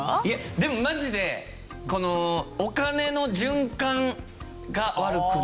でもマジでこのお金の循環が悪くなるとか。